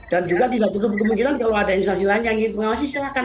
dan juga tidak cukup kemungkinan kalau ada instansi lain yang ingin pengawasi silahkan